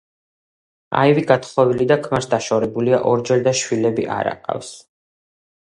აივი გათხოვილი და ქმარს დაშორებულია ორჯერ და შვიულები არ ყავს.